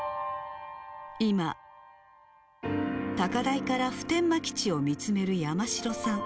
今、高台から普天間基地を見つめる山城さん。